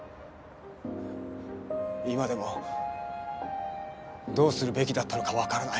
今でもどうするべきだったのかわからない。